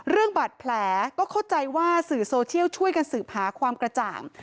เรื่องบาดแผลก็เข้าใจว่าสื่อโซเชียลช่วยกันสืบหาความกระจ่าง